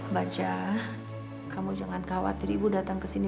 baca kamu jangan khawatir ibu datang ke sini